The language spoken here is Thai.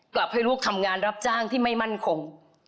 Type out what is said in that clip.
กลับให้ลูกทำงานรับจ้างที่ไม่มั่นคง